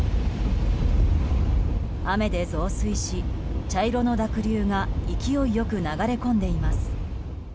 雨で増水し、茶色の濁流が勢いよく流れ込んでいます。